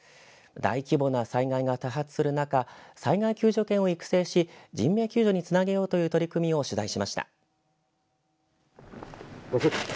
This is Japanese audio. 大規模な災害が多発する中災害救助犬を育成し人命救助につなげようという取り組みを取材しました。